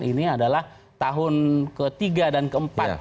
ini adalah tahun ketiga dan keempat